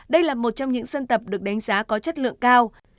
đây là một trong những sân tập được đánh giá có chất lượng cao